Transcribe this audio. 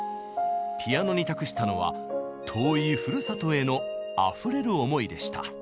ピアノに託したのは遠いふるさとへのあふれる思いでした。